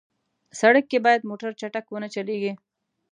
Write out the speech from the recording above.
سړک کې باید موټر چټک ونه چلېږي.